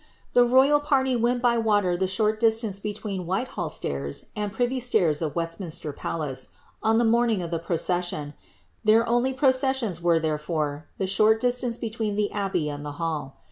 The royid party went by water the short distance between Whitehall stairs, and privy stairs of West minster Palace, on the morning of the procession ; their only proces sions were, therefore, the short distance between the abbey and the hall.